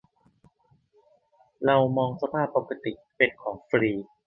เรามองสภาพปกติเป็นของฟรี